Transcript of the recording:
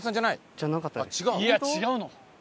いや違うの？